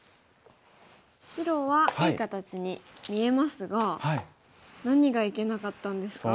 白はいい形に見えますが何がいけなかったんですか？